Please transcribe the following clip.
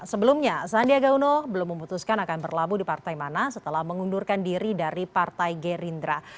sebelumnya sandiaga uno belum memutuskan akan berlabuh di partai mana setelah mengundurkan diri dari partai gerindra